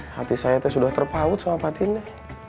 hati saya tuh sudah terpaut sama patinnya